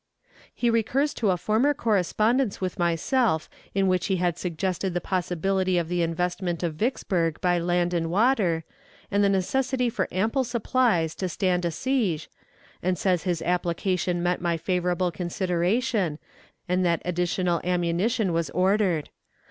He recurs to a former correspondence with myself in which he had suggested the possibility of the investment of Vicksburg by land and water, and the necessity for ample supplies to stand a siege, and says his application met my favorable consideration, and that additional ammunition was ordered.